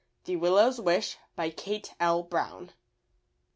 *' THE WILLOW^S WISH. BY KATE L. BROWN.